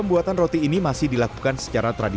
saya ingin mengikuti arti kata beban